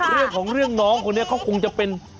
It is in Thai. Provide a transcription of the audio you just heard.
เรื่องของเรื่องน้องคนนี้เขาคงจะเป็น